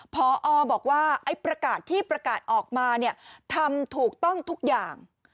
พอบอกว่าไอ้ประกาศที่ประกาศออกมาเนี่ยทำถูกต้องทุกอย่าง